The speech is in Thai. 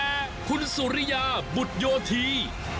แต่คุณสุริยาบุตรโยธี